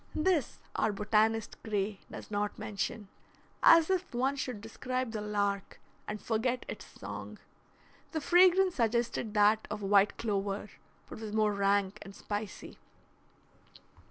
This our botanist, Gray, does not mention; as if one should describe the lark and forget its song. The fragrance suggested that of white clover, but was more rank and spicy.